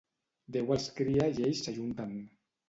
Déu els cria i ells s'ajunten.